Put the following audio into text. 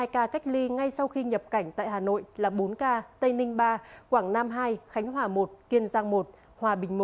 hai ca cách ly ngay sau khi nhập cảnh tại hà nội là bốn ca tây ninh ba quảng nam hai khánh hòa một kiên giang một hòa bình một